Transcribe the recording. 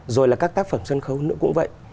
rồi là các tác phẩm sân khấu nữa cũng vậy